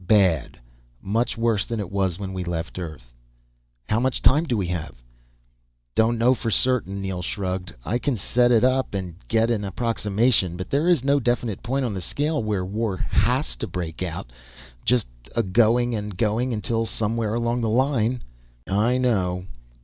Bad. Much worse than it was when we left Earth." "How much time do we have?" "Don't know for certain," Neel shrugged. "I can set it up and get an approximation. But there is no definite point on the scale where war has to break out. Just a going and going until, somewhere along the line " "I know.